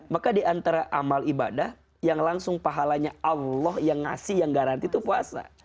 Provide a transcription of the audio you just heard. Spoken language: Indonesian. maka diantara amal ibadah yang langsung pahalanya allah yang ngasih yang garanti itu puasa